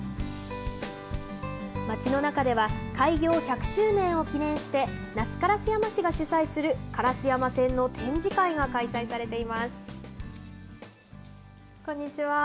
町の中では、開業１００周年を記念して、那須烏山市が主催する烏山線の展示会が開催されています。